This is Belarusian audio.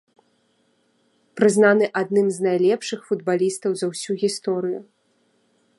Прызнаны адным з найлепшых футбалістаў за ўсю гісторыю.